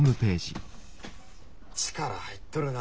力入っとるな。